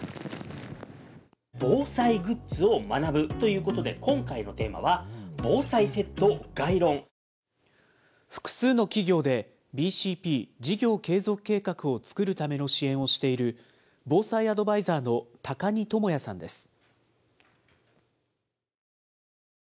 防災グッズを学ぶということで、複数の企業で、ＢＣＰ・事業継続計画を作るための支援をしている、防災アドバイザーの高荷智也さんです。